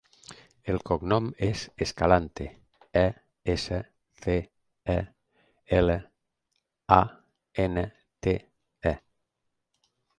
El cognom és Escalante: e, essa, ce, a, ela, a, ena, te, e.